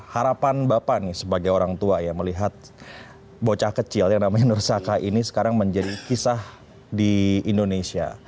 harapan bapak sebagai orang tua melihat bocah kecil yang namanya nur saka ini sekarang menjadi kisah di indonesia